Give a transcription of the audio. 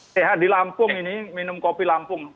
sehat di lampung ini minum kopi lampung